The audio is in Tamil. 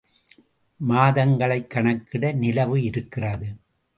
மாதங்களைக் கணக்கிட நிலவு இருக்கிறது.